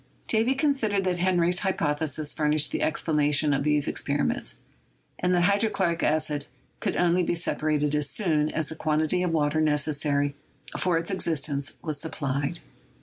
Davy considered that Henry's hypothe sis furnished the explanation of these experiments, and that hydrochloric acid could only be separated as soon as the quantity of water necessary for its existence was sup plied.